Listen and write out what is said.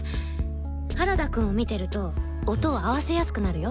原田くんを見てると音を合わせやすくなるよ。